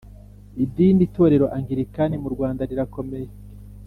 Idini Itorero Anglikani mu Rwanda rirakomeye .